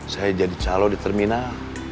saya jadi calon di terminal